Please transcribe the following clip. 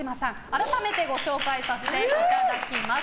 改めてご紹介させていただきます。